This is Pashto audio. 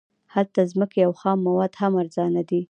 هلته ځمکې او خام مواد هم ارزانه دي